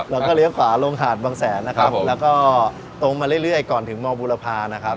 แล้วก็เลี้ยวขวาลงหาดบางแสนนะครับแล้วก็ตรงมาเรื่อยก่อนถึงมบุรพานะครับ